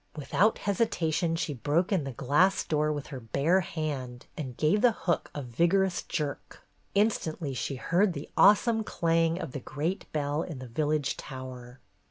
Without hesitation she broke in the glass door with her bare hand and gave the hook a vigorous jerk. Instantly she heard the awesome clang of the great bell in the village tower.